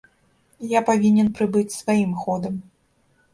Я павінен прыбыць сваім ходам.